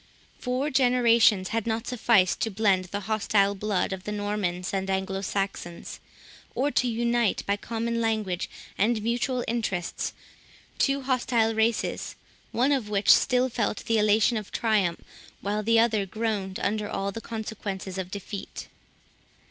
Four generations had not sufficed to blend the hostile blood of the Normans and Anglo Saxons, or to unite, by common language and mutual interests, two hostile races, one of which still felt the elation of triumph, while the other groaned under all the consequences of defeat.